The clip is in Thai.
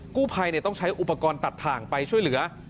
กู้ภัยต้องใช้อุปกรณ์ตัดถ่างไปช่วยเหลือ